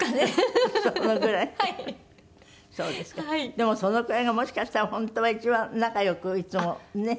でもそのくらいがもしかしたら本当は一番仲良くいつもねっ？